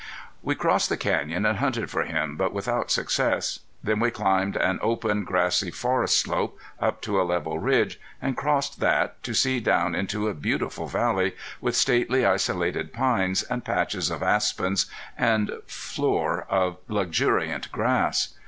We crossed the canyon and hunted for him, but without success. Then we climbed an open grassy forest slope, up to a level ridge, and crossed that to see down into a beautiful valley, with stately isolated pines, and patches of aspens, and floor of luxuriant grass.